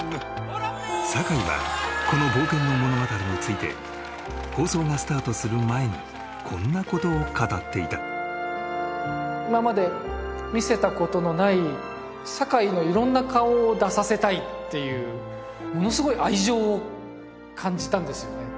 堺はこの冒険の物語について放送がスタートする前にこんなことを語っていた今まで見せたことのない堺のいろんな顔を出させたいっていうものすごい愛情を感じたんですよね